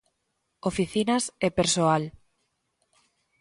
Oficinas e persoal